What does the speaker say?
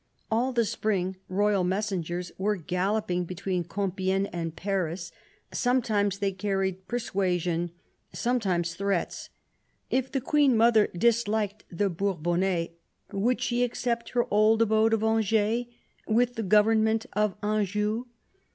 All the spring royal messengers were galloping between Compifegne and Paris. Sometimes they carried persuasion, sometimes threats. If the Queen mother disliked the Bourbonnais, would she accept her old abode of Angers, with the government of Anjou